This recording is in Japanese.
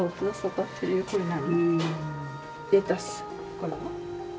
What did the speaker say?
これは？